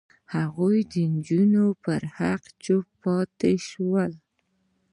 هغوی د نجونو پر حق چوپ پاتې شول.